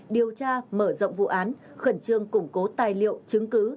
điều tra mở rộng vụ án khẩn trương củng cố tài liệu chứng cứ